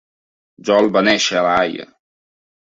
Jol va néixer a la Haia.